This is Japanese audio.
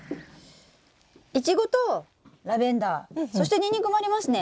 イチゴとラベンダーそしてニンニクもありますね。